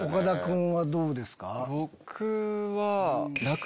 僕は。